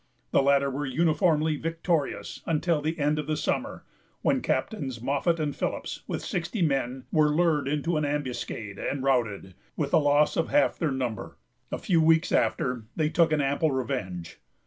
The latter were uniformly victorious until the end of the summer; when Captains Moffat and Phillips, with sixty men, were lured into an ambuscade, and routed, with the loss of half their number. A few weeks after, they took an ample revenge.